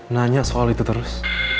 nanya soal itu terus